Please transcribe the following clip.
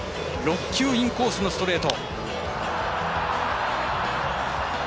６球インコースのストレート。